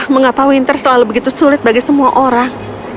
mengapa winter selalu begitu sulit bagi semua orang